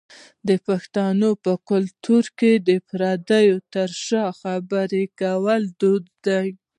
د پښتنو په کلتور کې د پردې تر شا خبری کول دود دی.